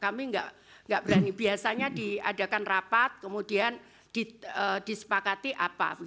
kami nggak berani biasanya diadakan rapat kemudian disepakati apa